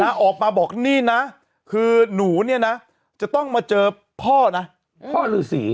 ออกมาบอกนี่นะคือหนูเนี่ยนะจะต้องมาเจอพ่อนะพ่อฤษี